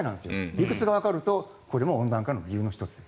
理屈がわかるとこれも温暖化の理由の１つです。